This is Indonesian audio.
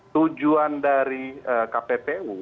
tujuan dari kppu